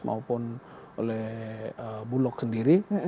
maupun oleh bulog sendiri